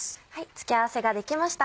付け合わせが出来ました。